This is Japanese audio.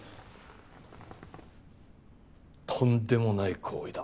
とんでもない行為だ。